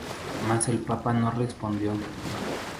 Mas el papa no respondió.